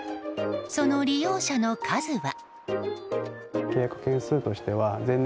その利用者の数は。